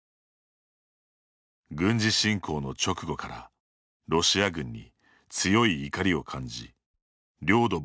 軍事侵攻の直後からロシア軍に強い怒りを感じ領土